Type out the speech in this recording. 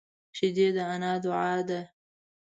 شیدې د انا دعا ده